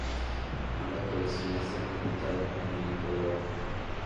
Ambas producciones se representaron en el Hippodrome.